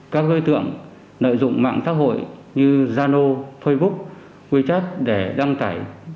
các hơi tượng nợ dụng mạng tác hội như zano facebook wechat để đăng cải